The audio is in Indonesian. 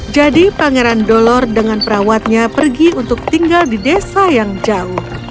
jadi pangeran dolor dengan perawatnya pergi untuk tinggal di desa yang jauh